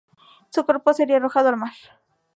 Su cuerpo sería arrojado al mar.